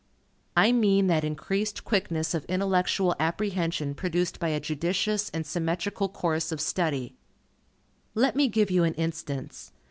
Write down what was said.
I mean that increased quickness of intellectual apprehension produced by a judicious and symmetrical course of study. Let me give you an instance.